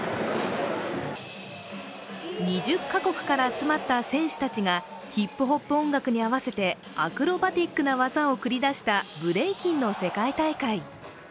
２０か国から集まった選手たちがヒップホップ音楽に合わせてアクロバチックな技を繰り出したブレイキンの世界大会。